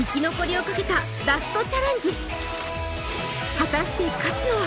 果たして勝つのは！？